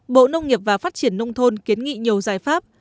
bộ nông nghiệp và phát triển nông thôn kiến nghị nhiều giải pháp